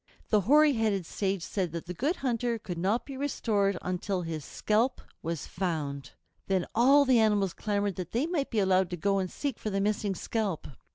The hoary headed sage said that the Good Hunter could not be restored until his scalp was found. Then all the animals clamored that they might be allowed to go and seek for the missing scalp.